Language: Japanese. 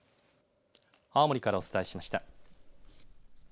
青森からお伝えしました。